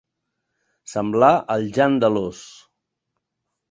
Semblar el Jan de l'Ós.